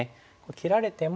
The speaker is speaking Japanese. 切られても。